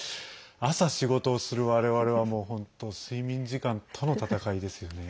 朝、仕事をする我々は本当睡眠時間との闘いですよね。